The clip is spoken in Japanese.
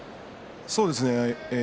そうですね。